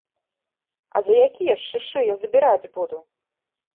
А за якія ж шышы я забіраць буду?!